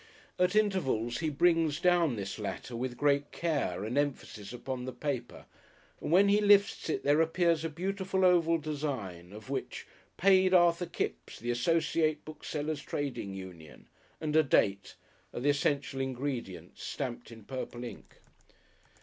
At intervals he brings down this latter with great care and emphasis upon the paper, and when he lifts it there appears a beautiful oval design of which "Paid, Arthur Kipps, The Associated Booksellers' Trading Union," and a date, are the essential ingredients, stamped in purple ink.